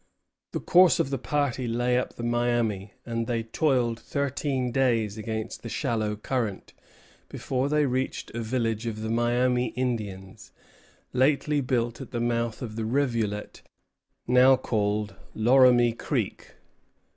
The course of the party lay up the Miami; and they toiled thirteen days against the shallow current before they reached a village of the Miami Indians, lately built at the mouth of the rivulet now called Loramie Creek.